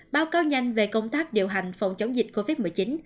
báo cáo nhanh về công tác điều hành phòng chống dịch covid một mươi chín